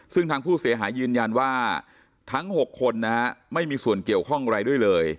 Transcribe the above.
ซึ่งทางผู้เสียหายยืนยันว่าทั้ง๖คนไม่มีส่วนเกี่ยวข้องอะไรด้วยเลย